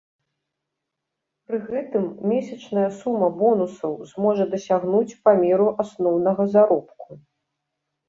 Пры гэтым месячная сума бонусаў зможа дасягнуць памеру асноўнага заробку.